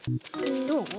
どう？